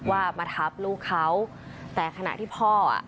ว่ามาทับลูกเขาแต่ขณะที่พ่ออ่ะ